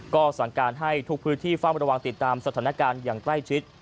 ก็สั่งการให้ทุกพื้นที่เฝ้าระวังติดตามสถานการณ์อย่างใกล้ชิด